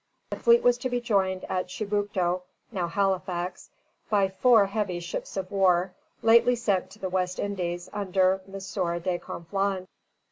The fleet was to be joined at Chibucto, now Halifax, by four heavy ships of war lately sent to the West Indies under M. de Conflans.